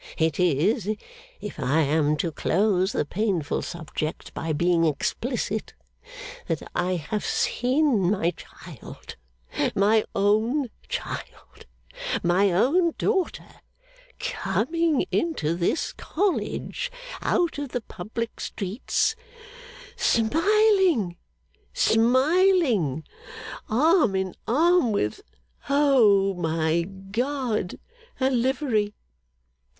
It is, if I am to close the painful subject by being explicit, that I have seen my child, my own child, my own daughter, coming into this College out of the public streets smiling! smiling! arm in arm with O my God, a livery!